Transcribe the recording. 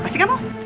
apa sih kamu